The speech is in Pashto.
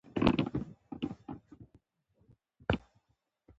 د میرمنو کار او تعلیم مهم دی ځکه چې ودونو ته ځنډ ورکوي.